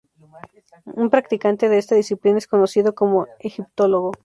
Un practicante de esta disciplina es conocido como egiptólogo.